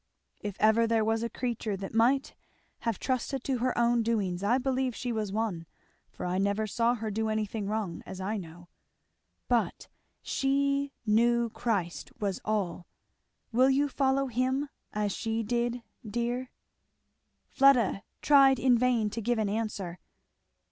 If ever there was a creature that might have trusted to her own doings, I believe she was one, for I never saw her do anything wrong, as I know. But she knew Christ was all. Will you follow him as she did, dear?" Fleda tried in vain to give an answer.